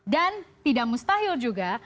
dan tidak mustahil juga